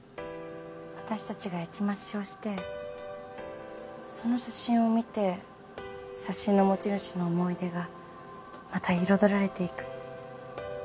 私たちが焼き増しをしてその写真を見て写真の持ち主の思い出がまた彩られていく。